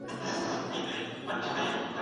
څلور څلورم عدد دئ.